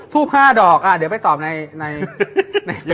ทูบ๕ดอกอ่ะเดี๋ยวต้องไปตอบในวิวไทย